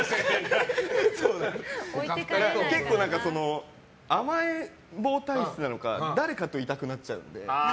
結構甘えん坊体質なのか誰かといたくなっちゃうので。